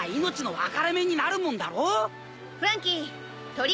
フランキー。